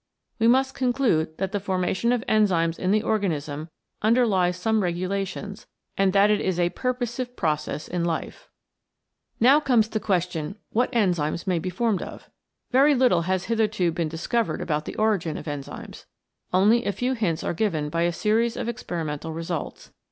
We must conclude that the formation of enzymes in the organism underlies some regulations, and that it is a purposive process in life. 100 CATALYSIS AND THE ENZYMES Now comes the question what enzymes may be formed of. Very little has hitherto been dis covered about the origin of enzymes. Only a few hints are given by a series of experimental results.